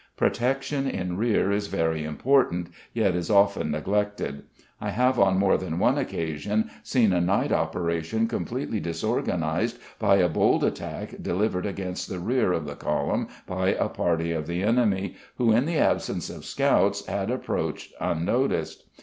Protection in rear is very important, yet is often neglected. I have on more than one occasion seen a night operation completely disorganised by a bold attack delivered against the rear of the column by a party of the enemy, who, in the absence of scouts, had approached unnoticed.